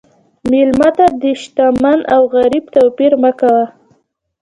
مېلمه ته د شتمن او غریب توپیر مه کوه.